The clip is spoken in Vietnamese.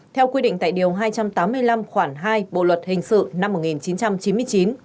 theo quy định tại điều hai trăm tám mươi năm khoảng hai bộ luật hình sự năm một nghìn chín trăm chín mươi chín